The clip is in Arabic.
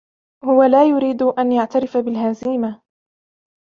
هو لا يريد أن يعترف بالهزيمة.